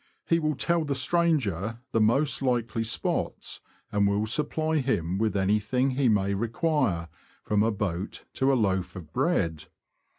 He will tell the stranger the most likely spots, and will supply him with anything he may require, from a boat to a loaf of bread.